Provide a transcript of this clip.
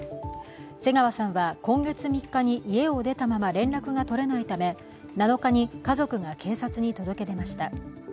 瀬川さんは今月３日に家を出たまま連絡がとれないため７日に家族が警察に届け出ました。